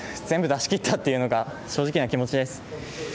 全部出し切ったというのが正直な気持ちです。